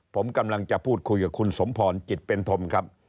ผมกำลังจะพูดคุยกับคุณสมพรจิตเป็นธมครับ